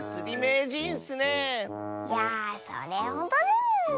いやそれほどでも。